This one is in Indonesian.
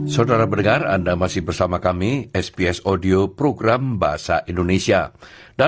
sps audio program bahasa indonesia